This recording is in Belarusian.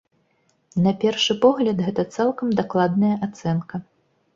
На першы погляд, гэта цалкам дакладная ацэнка.